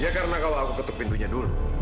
ya karena kalau aku tutup pintunya dulu